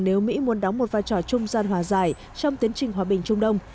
nếu mỹ muốn đóng một vai trò trung gian hòa giải trong tiến trình hòa bình trung đông